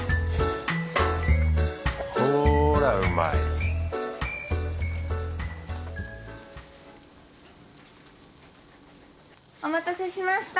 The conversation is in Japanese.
ほらうまいお待たせしました。